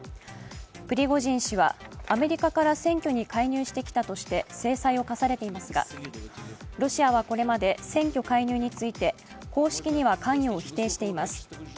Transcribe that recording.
プリゴジン氏はアメリカから選挙に介入してきたとして制裁を科されていますが、ロシアはこれまで選挙介入について公式には関与を否定しています。